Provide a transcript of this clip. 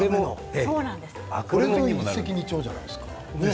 これも一石二鳥じゃないですか。